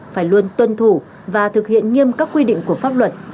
phải luôn tuân thủ và thực hiện nghiêm các quy định của pháp luật